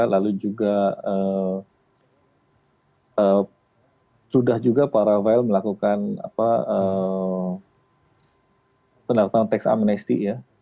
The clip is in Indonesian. lalu juga sudah juga para rafael melakukan pendaftaran tax amnesti ya